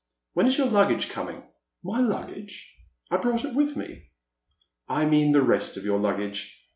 When is your luggage coming ?"" My luggage ? I brought it with me." " I mean the rest of your luggage.